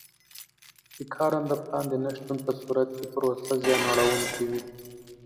د کارنده پلان د نه شتون په صورت کې پروسه زیان اړوونکې وي.